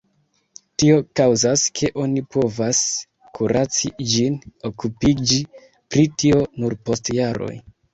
Tio kaŭzas, ke oni povas kuraci ĝin, okupiĝi pri tio nur post jaroj.